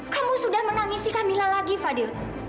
kamu sudah menangis si kamila lagi fadhil